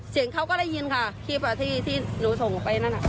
เสียงเขาก็ได้ยินค่ะคลิปที่หนูส่งไปนั่น